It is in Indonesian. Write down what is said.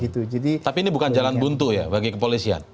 tapi ini bukan jalan buntu ya bagi kepolisian